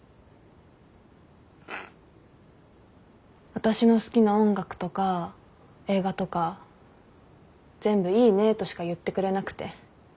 私の好きな音楽とか映画とか全部いいねとしか言ってくれなくて。